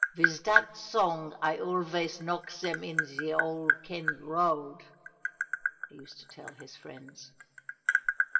"Viz dat song I alvays knock zaim in ze Ole Ken' Road," he used to tell his friends.